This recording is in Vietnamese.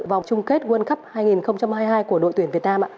vòng chung kết world cup hai nghìn hai mươi hai của đội tuyển việt nam ạ